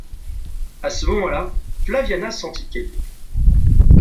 A ce moment-là, Flaviana sentit qu'elle l'aimait.